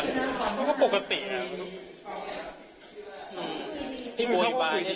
นี่มันเขาพูดคุยให้รอบไม่คือเขานิ่งเลยครับ